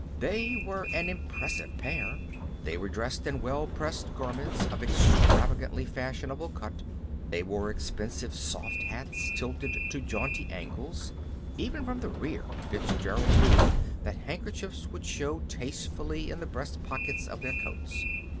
They were an impressive pair. They were dressed in well pressed garments of extravagantly fashionable cut. They wore expensive soft hats, tilted to jaunty angles. Even from the rear, Fitzgerald knew that handkerchiefs would show tastefully in the breast pockets of their coats.